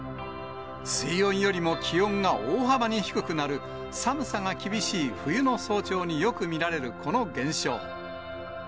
水温よりも気温が大幅に低くなる寒さが厳しい冬の早朝によく見られるこの現象。